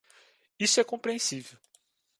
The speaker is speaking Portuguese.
Isso é compreensível.